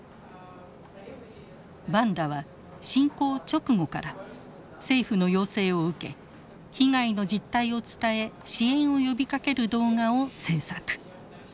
バンダは侵攻直後から政府の要請を受け被害の実態を伝え支援を呼びかける動画を制作。